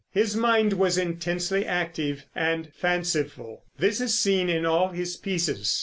His mind was intensely active and fanciful. This is seen in all his pieces.